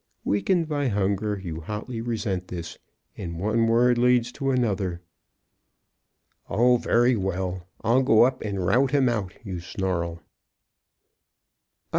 Weakened by hunger, you hotly resent this, and one word leads to another. "Oh, very well, I'll go up and rout him out," you snarl. [Illustration: "'Hello.